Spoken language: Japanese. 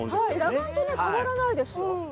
裸眼と変わらないですよ。